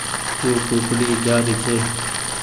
او ڪوڪڙي جآري ڇي